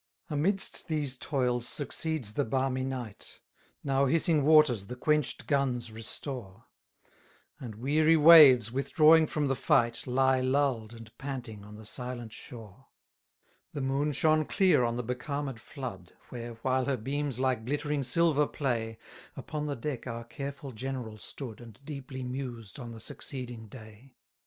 98 Amidst these toils succeeds the balmy night; Now hissing waters the quench'd guns restore; And weary waves, withdrawing from the fight, Lie lull'd and panting on the silent shore: 99 The moon shone clear on the becalmed flood, Where, while her beams like glittering silver play, Upon the deck our careful general stood, And deeply mused on the succeeding day.